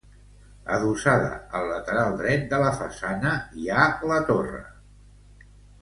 Adossada al lateral dret de la façana, hi ha la torre.